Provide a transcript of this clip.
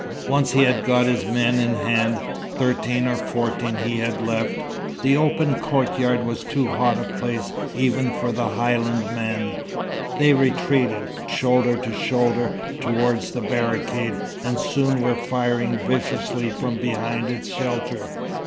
Once he had got his men in hand thirteen or fourteen he had left the open courtyard was too hot a place even for the Highland men. They retreated, shoulder to shoulder, towards the barricade, and soon were firing viciously from behind its shelter.